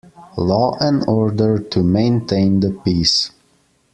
Law and order to maintain the peace.